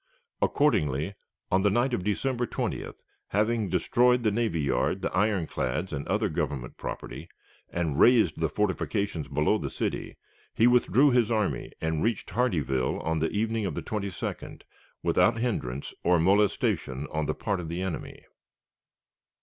Accordingly, on the night of December 20th, having destroyed the navy yard, the ironclads, and other Government property, and razed the fortifications below the city, he withdrew his army and reached Hardeeville on the evening of the 22d, without hindrance or molestation on the part of the enemy.